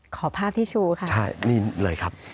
ขอภาพทิชชูค่ะ